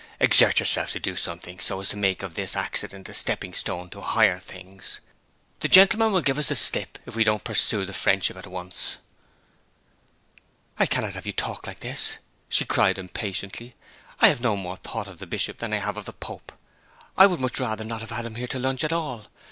Exert yourself to do something, so as to make of this accident a stepping stone to higher things. The gentleman will give us the slip if we don't pursue the friendship at once.' 'I cannot have you talk like this,' she cried impatiently. 'I have no more thought of the Bishop than I have of the Pope. I would much rather not have had him here to lunch at all.